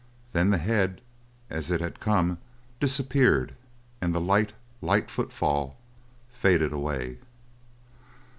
Then the head, as it had come, disappeared, and the light, light foot fall, faded away.